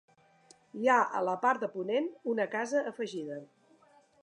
Hi ha a la part de ponent, una casa afegida.